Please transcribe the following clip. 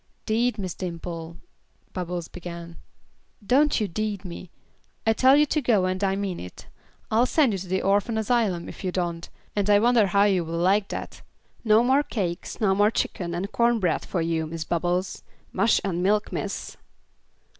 "'Deed, Miss Dimple" Bubbles began. "Don't you 'deed me. I tell you to go and I mean it. I'll send you to the orphan asylum, if you don't, and I wonder how you will like that; no more cakes, no more chicken and corn bread for you, Miss Bubbles. Mush and milk, miss."